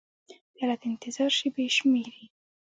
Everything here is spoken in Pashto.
پیاله د انتظار شېبې شمېري.